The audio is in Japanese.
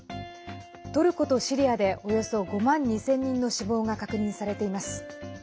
トルコとシリアでおよそ５万２０００人の死亡が確認されています。